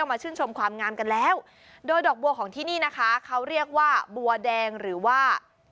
มาชื่นชมความงามกันแล้วโดยดอกบัวของที่นี่นะคะเขาเรียกว่าบัวแดงหรือว่า